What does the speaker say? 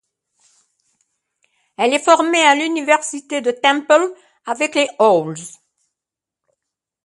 Elle est formée à l'Université de Temple avec les Owls.